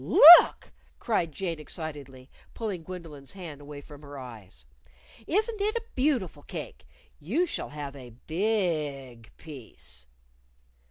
Look!" cried Jane, excitedly, pulling Gwendolyn's hand away from her eyes. "Isn't it a beautiful cake! You shall have a bi i ig piece."